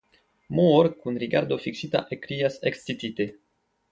Moor kun rigardo fiksita ekkrias ekscitite.